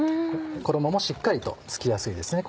衣もしっかりと付きやすいですね